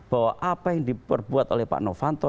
bahwa apa yang diperbuat oleh pak novanto